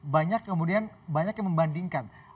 banyak kemudian banyak yang membandingkan